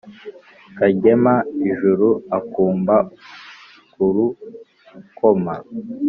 Kagema ijuru-Akumba k'urukoma.